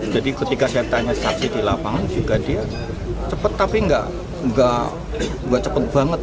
ketika saya tanya saksi di lapangan juga dia cepat tapi nggak cepet banget